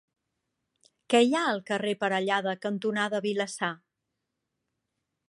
Què hi ha al carrer Parellada cantonada Vilassar?